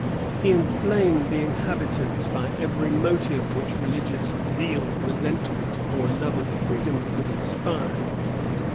He inflamed the inhabitants by every motive which religious zeal, resentment, or love of freedom could inspire.